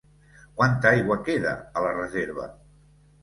Quanta aigua queda a la reserva?